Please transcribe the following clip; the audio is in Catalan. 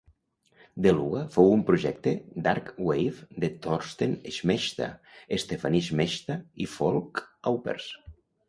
Deluga fou un projecte darkwave de Thorsten Schmechta, Stefanie Schmechta i Falk Aupers.